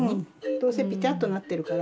どうせピタッとなってるから。